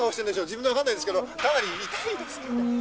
自分では分かんないですけど、かなり痛いですけどね。